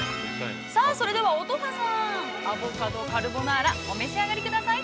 ◆それでは乙葉さん、アボカドカルボナーラ、お召し上がりください。